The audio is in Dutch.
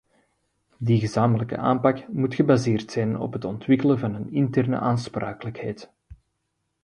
Die gezamenlijke aanpak moet gebaseerd zijn op het ontwikkelen van interne aansprakelijkheid.